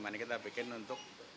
makanya kita bikin untuk